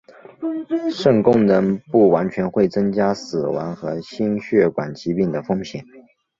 肾功能不全会增加死亡和心血管疾病的风险。